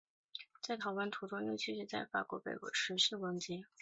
在逃亡途中又陆续在法国东北部及南部地区持续攻击。